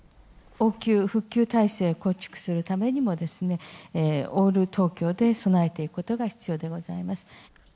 応急・復旧体制を構築するためにも、オール東京で備えていくことが必要でございます。